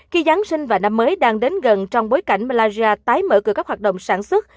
khi giáng sinh và năm mới đang đến gần trong bối cảnh malaysia tái mở cửa các hoạt động sản xuất